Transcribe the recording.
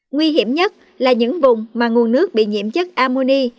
nguy hiểm nhất là những vùng mà nguồn nước bị nhiễm chất amuni